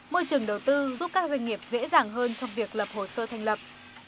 môi trường đầu tư giúp các doanh nghiệp dễ dàng hơn trong việc lập hồ sơ thành lập